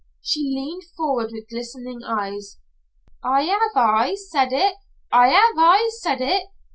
She leaned forward with glistening eyes. "I ha'e aye said it. I ha'e aye said it.